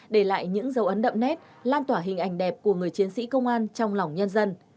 để lại những dấu ấn đậm nét lan tỏa hình ảnh đẹp của người chiến sĩ công an trong lòng nhân dân